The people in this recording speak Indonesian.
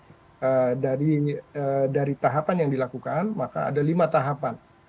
jadi dari tahapan yang dilakukan maka ada lima tahapan